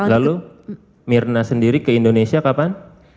dua ribu tujuh lalu myrna sendiri ke indonesia kapan